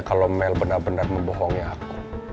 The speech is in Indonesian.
kalau mel benar benar membohongi aku